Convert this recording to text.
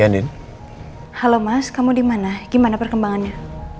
hai nen halo mas kamu dimana gimana perkembangannya